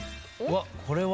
わっこれは？